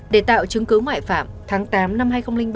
để tạo chứng cứ ngoại phạm tháng tám năm hai nghìn ba